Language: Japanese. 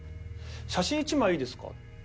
「写真１枚いいですか？」。